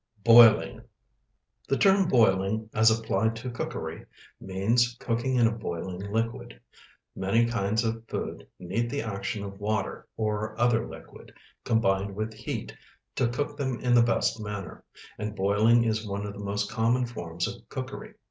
BOILING The term "boiling," as applied to cookery, means cooking in a boiling liquid. Many kinds of food need the action of water or other liquid, combined with heat, to cook them in the best manner, and boiling is one of the most common forms of cookery.